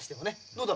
どうだ？